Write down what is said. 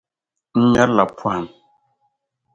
N-ŋmeri la Pɔhim.